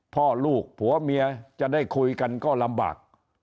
พ่อลูกผัวเมียจะได้คุยกันก็ลำบาก